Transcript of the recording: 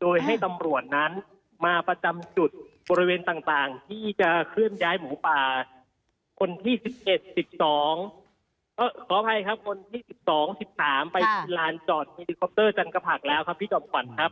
โดยให้ตำรวจนั้นมาประจำจุดบริเวณต่างที่จะเคลื่อนย้ายหมูป่าคนที่๑๒๑๓ไปพราณจอดอินติก็อปเตอร์จันกภักดิ์แล้วค่ะพี่จอมขวัญครับ